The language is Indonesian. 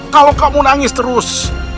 kalau kamu nangis terus